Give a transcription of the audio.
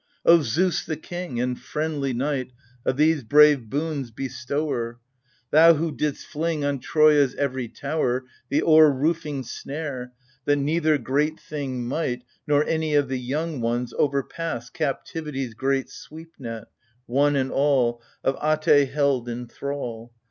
O Zeus the king, and friendly Night Of these brave boons bestower — Thou who didst fling on Troia's every tower The o'er roofing snare, that neither great thing might, Nor any of the young ones, overpass Captivity's great sweep net — one and all Of Ate held in thrall